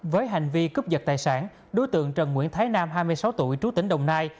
với hành vi cướp giật tài sản đối tượng trần nguyễn thái nam hai mươi sáu tuổi trú tỉnh đồng nai